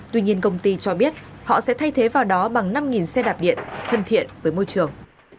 tuy nhiên công ty cho biết họ sẽ thay thế vào đó bằng năm xe đạp điện thân thiện với môi trường